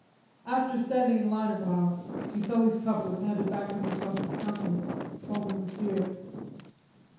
After standing in line a while, Fuselli's cup was handed back to him across the counter, foaming with beer.